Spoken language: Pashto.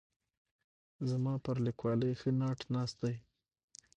زما پر لیکوالۍ ښه ناټ ناست دی.